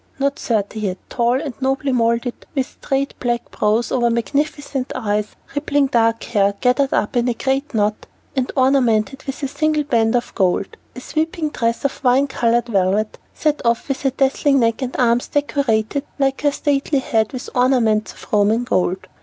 Not thirty yet, tall and nobly molded, with straight black brows over magnificent eyes; rippling dark hair gathered up in a great knot, and ornamented with a single band of gold. A sweeping dress of wine colored velvet, set off with a dazzling neck and arms decorated like her stately head with ornaments of Roman gold.